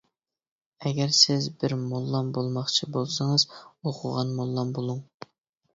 -ئەگەر سىز بىر موللام بولماقچى بولسىڭىز، ئوقۇغان موللام بولۇڭ.